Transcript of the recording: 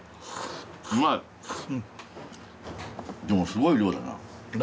でもすごい量だな。